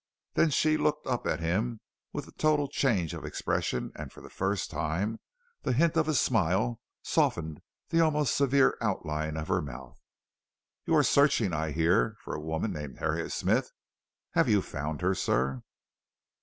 Then she looked up at him with a total change of expression, and for the first time the hint of a smile softened the almost severe outline of her mouth. "You are searching, I hear, for a woman named Harriet Smith; have you found her, sir?"